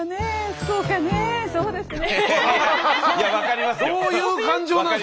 そうですね。